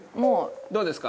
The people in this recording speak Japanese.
どうですか？